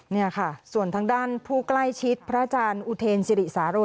นี่ค่ะส่วนทางด้านผู้ใกล้ชิดพระอาจารย์อุเทนสิริสาโร